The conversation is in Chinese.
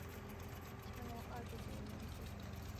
乾隆二十九年置。